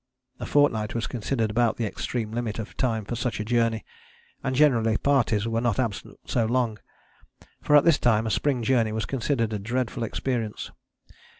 A fortnight was considered about the extreme limit of time for such a journey, and generally parties were not absent so long; for at this time a spring journey was considered a dreadful experience.